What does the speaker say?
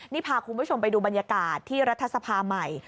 นี่พาคุณผู้ชมไปดูบรรยากาศที่รัฐสภาใหม่